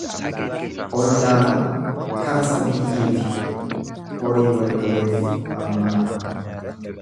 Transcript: Ollaa lama, kara sabiyyiifi horii walloleef mammaakama.